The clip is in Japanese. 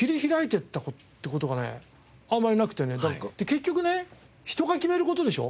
結局ね人が決める事でしょ？